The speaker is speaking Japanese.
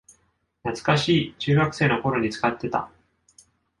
懐かしい、中学生の頃に使ってた